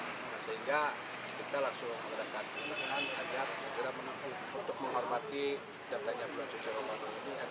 kita langsung mendekatkan pilihan agar segera menempuh untuk menghormati datanya bulan jumat